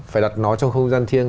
phải đặt nó trong không gian thiêng